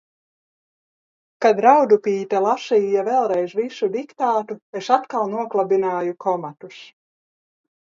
Kad Raudup?te las?ja v?lreiz visu dikt?tu, es atkal noklabin?ju komatus.